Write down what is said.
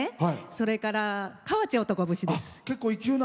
それから「河内おとこ節」です。